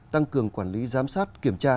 tăng cường quản lý giám sát kiểm tra